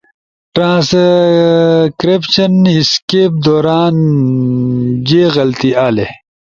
ٹرانسکرائپش اسکیپ دوران جے غلطی آلی